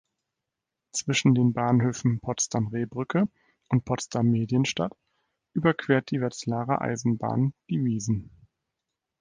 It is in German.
Zwischen den Bahnhöfen Potsdam-Rehbrücke und Potsdam-Medienstadt überquert die Wetzlarer Eisenbahn die Wiesen.